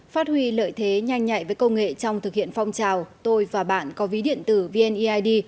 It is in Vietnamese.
phát huy lợi thế nhanh nhạy với công nghệ trong thực hiện phong trào tôi và bạn có ví điện tử vneid